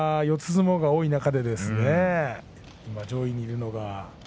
相撲が多い中で今、上位にいるのが。